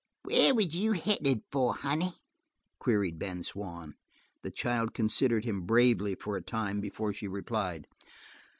"Where was you headed for, honey?" queried Ben Swann. The child considered him bravely for a time before she replied.